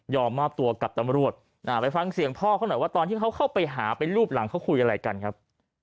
มอบตัวกับตำรวจไปฟังเสียงพ่อเขาหน่อยว่าตอนที่เขาเข้าไปหาไปรูปหลังเขาคุยอะไรกันครับ